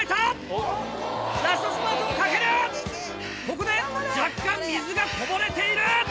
ここで若干水がこぼれている！